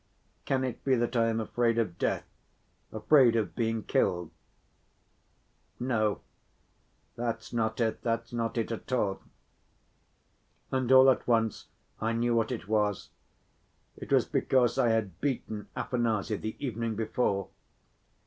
Can it be that I am afraid of death, afraid of being killed? No, that's not it, that's not it at all."... And all at once I knew what it was: it was because I had beaten Afanasy the evening before!